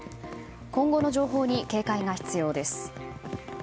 今後の情報に警戒が必要です。